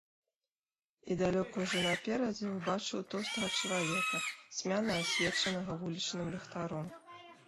І далёка ўжо наперадзе ўбачыў тоўстага чалавека, цьмяна асвечанага вулічным ліхтаром.